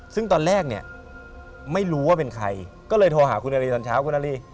ซึ่งตอนแรกเนี่ยไม่รู้ว่าเป็นใครก็เลยโทรหาคุณนารีตอนเช้าคุณอารี